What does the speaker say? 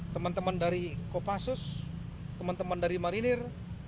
teman teman dari kopassus teman teman dari marinir